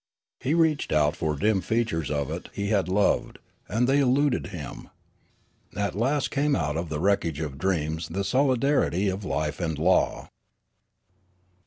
He reached out for dim features of it he had loved, and they eluded him. At last came out of the wreckage of dreams the solidarity of life and law.